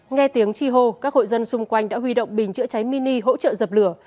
nghe tiếng chi hô các hội dân xung quanh đã huy động bình chữa cháy mini hỗ trợ dập lửa